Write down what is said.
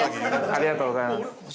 ◆ありがとうございます。